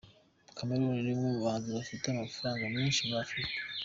Chameleone ni umwe mu bahanzi bafite amafaranga menshi muri Afurika.